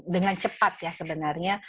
dengan cepat sebenarnya